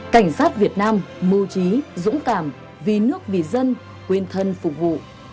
cảnh sát việt nam mưu trí dũng cảm vì nước vì dân quên thân phục vụ